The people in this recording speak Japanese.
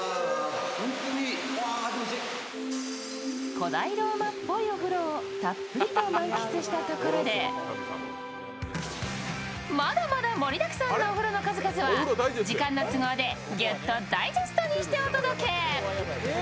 古代ローマっぽいお風呂をたっぷりと満喫したところでまだまだ盛りだくさんのお風呂の数々は時間の都合でギュッとダイジェストにしてお届け。